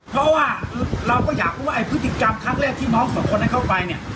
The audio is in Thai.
เพราะว่าเราก็อยากรู้ว่าไอ้พฤติกรรมครั้งแรกที่น้องสองคนนั้นเข้าไปเนี่ย